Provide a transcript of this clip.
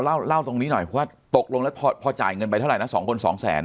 เอาเล่าตรงนี้หน่อยเพราะว่าตกลงแล้วพอจ่ายเงินไปเท่าไรนะ๒คน๒๐๐๐๐๐